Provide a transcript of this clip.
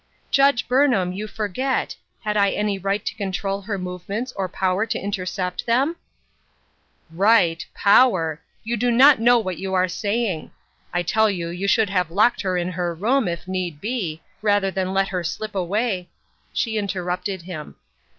" Judge Burnham, you forget ; had I any right to control her movements, or power to intercept them ?"" Right ! power ! You do not know what you are saying ! I tell you you should have locked her in her room, if need be, rather than let her slip away" — She interrupted him.